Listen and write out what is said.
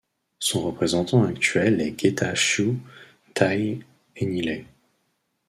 Son représentant actuel est Getachew Taye Eniley.